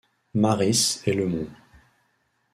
Marys et le mont.